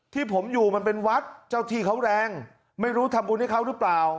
ที่ผมอยู่มันเป็นวัดเจ้าที่เขาแรงไม่รู้ทำบุญให้เขาหรือเปล่า